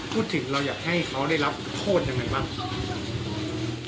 พูดถึงเราอยากให้เขาได้รับโทษยังไงบ้าง